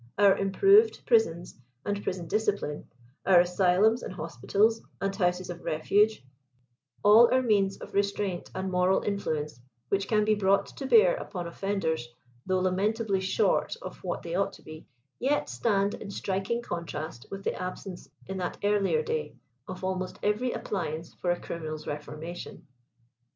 Our improved prisons and prison discipline^ our asylums, and hospitals, and houses of refuge^ 12* 138 nil our means of restraint and moral influence which can be brought to bear upon offenders, though lamentably short of what ihey ought to be, yet stand in striking contrast with the absence in that earlier day, of almost every appliance for a criminal's reformation.